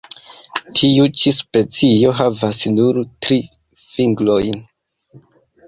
Tiu ĉi specio havas nur tri fingrojn.